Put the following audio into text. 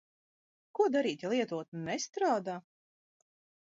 Ko darīt, ja lietotne nestrādā?